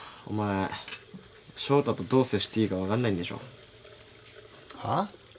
お前翔太とどう接していいか分かんないんでしょ？はあ？